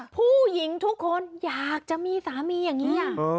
ผู้หญิงทุกคนอยากจะมีสามีอย่างนี้